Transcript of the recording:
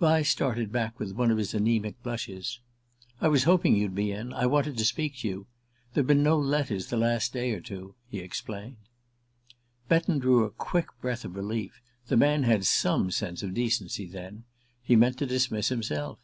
Vyse started back with one of his anaemic blushes. "I was hoping you'd be in. I wanted to speak to you. There've been no letters the last day or two," he explained. Betton drew a quick breath of relief. The man had some sense of decency, then! He meant to dismiss himself.